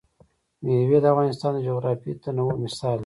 مېوې د افغانستان د جغرافیوي تنوع مثال دی.